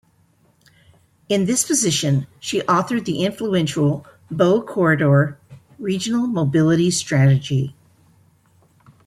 In this position, she authored the influential "Bow Corridor Regional Mobility Strategy".